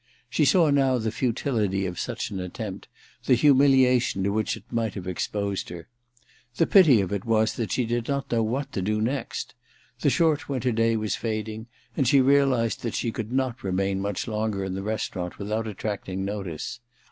She saw now the futility of such an attempt — the humiliation to which it might have exposed her. ... The pity of it was that she did not know what to do next. The short winter day was fading, and she realized that she could not remdn much longer in the restaurant without attracting notice.